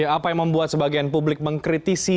apa yang membuat sebagian publik mengkritisi